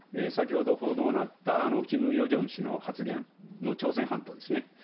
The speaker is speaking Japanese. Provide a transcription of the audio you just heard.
先ほど報道のあった、キム・ヨジョン氏の発言、朝鮮半島ですね。